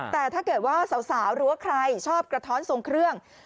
แต่ถ้าเกิดว่าสาวหรือว่าใครชอบกระท้อนทรงเครื่อง